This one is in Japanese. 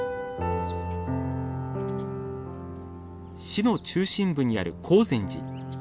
市の中心部にある光禅寺。